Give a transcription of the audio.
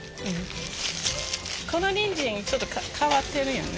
このにんじんちょっと変わってるよね。